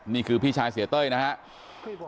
พี่ชายเสียเต้ยนะครับ